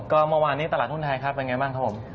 ก็เมื่อวานนี้ตลาดหุ้นไทยครับเป็นไงบ้างครับผม